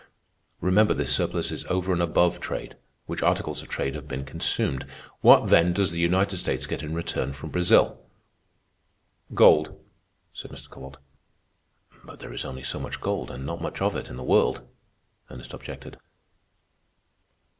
Remember this surplus is over and above trade, which articles of trade have been consumed. What, then, does the United States get in return from Brazil?" "Gold," said Mr. Kowalt. "But there is only so much gold, and not much of it, in the world," Ernest objected.